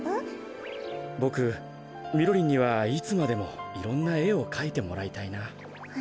ボクみろりんにはいつまでもいろんなえをかいてもらいたいな。